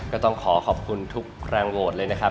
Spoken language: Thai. ก็ต้องขอขอบคุณทุกแรงโหวตเลยนะครับ